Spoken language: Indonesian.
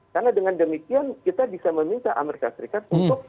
karena dengan demikian kita bisa meminta amerika serikat